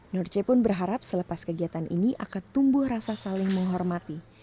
nurce pun berharap selepas kegiatan ini akan tumbuh rasa saling menghormati